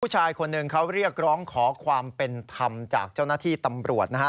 ผู้ชายคนหนึ่งเขาเรียกร้องขอความเป็นธรรมจากเจ้าหน้าที่ตำรวจนะฮะ